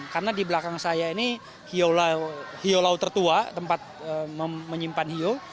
karena di belakang saya ini hiyolau tertua tempat menyimpan hiyo